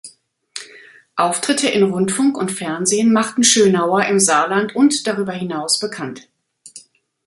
Auftritte in Rundfunk und Fernsehen machten Schönauer im Saarland und darüber hinaus bekannt.